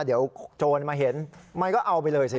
เดี๋ยวโจรมาเห็นมันก็เอาไปเลยสิ